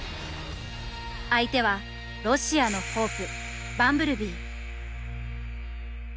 相手はロシアのホープバンブルビー。